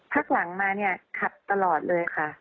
พักหลังมาขับตลอดเลยค่ะ